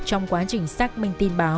trong quá trình xác minh tin báo